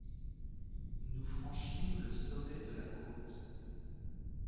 Nous franchîmes le sommet de la côte.